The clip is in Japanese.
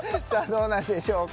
どうなるでしょうか？